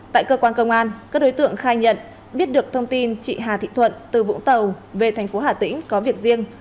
tại cơ quan công an các đối tượng khai nhận biết được thông tin chị hà thị thuận từ vũng tàu về thành phố hà tĩnh có việc riêng